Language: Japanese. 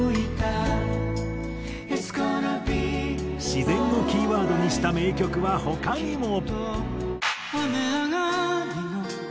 自然をキーワードにした名曲は他にも。